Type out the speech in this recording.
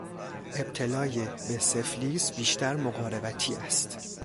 ابتلای به سفلیس بیشتر مقاربتی است.